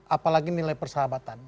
apalagi nilai persahabatan